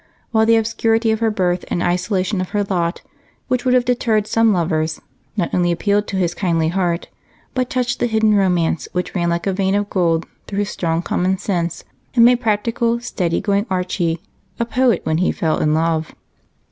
The obscurity of her birth and isolation of her lot, which would have deterred some lovers, not only appealed to his kindly heart, but touched the hidden romance which ran like a vein of gold through his strong common sense and made practical, steady going Archie a poet when he fell in love.